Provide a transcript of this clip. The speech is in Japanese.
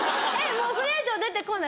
もうそれ以上出てこない。